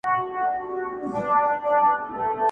له حجرو څخه به ږغ د ټنګ ټکور وي،